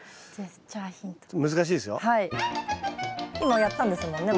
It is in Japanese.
今やったんですもんね？